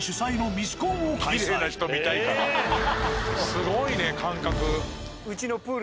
すごいね感覚。